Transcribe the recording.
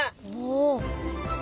お。